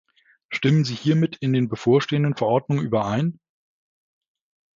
Stimmen Sie hiermit in den bevorstehenden Verordnungen überein?